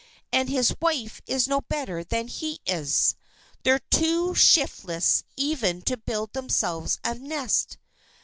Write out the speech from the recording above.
And his wife is no better than he is. They're too shiftless even to build themselves a nest.